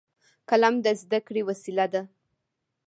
قلم د زده کړې وسیله ده